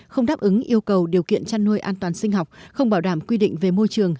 không đáp ứng yêu cầu điều kiện chăn nuôi an toàn sinh học không bảo đảm quy định về môi trường